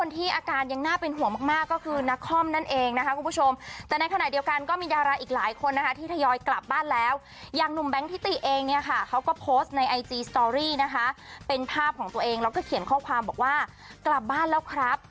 ตัวเองแล้วก็เขียนข้อความบอกว่ากลับบ้านแล้วครับ